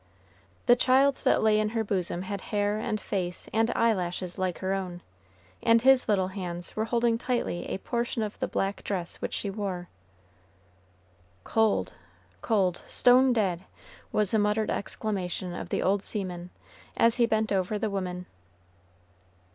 The child that lay in her bosom had hair, and face, and eyelashes like her own, and his little hands were holding tightly a portion of the black dress which she wore. "Cold, cold, stone dead!" was the muttered exclamation of the old seaman, as he bent over the woman.